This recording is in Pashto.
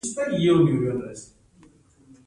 قالي او ګلیم د خونې ښکلا ده.